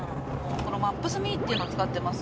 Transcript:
このＭＡＰＳ．ＭＥっていうのを使ってます